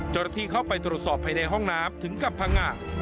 จนที่เข้าไปทดสอบไปในห้องน้ำถึงกับพังอัก